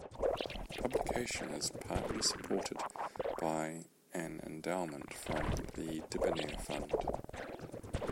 Publication is partly supported by an endowment from the Dibner Fund.